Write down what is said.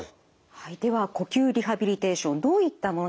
では呼吸リハビリテーションどういったものなのか。